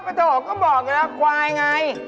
อ้าว๓๒๐ก็บอกไงละควายไง